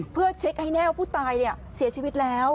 เพื่อเช็คให้แน่ว่าผู้ตายเสียชีวิตแล้ว